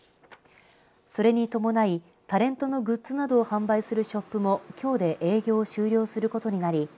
それに伴いタレントのグッズなどを販売するショップもきょうで営業を終了することになり